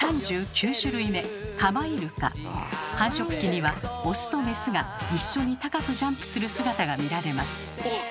繁殖期にはオスとメスが一緒に高くジャンプする姿が見られます。